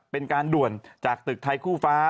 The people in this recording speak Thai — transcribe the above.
เป็นการด่วนจากตึกไทยคู่ฟ้า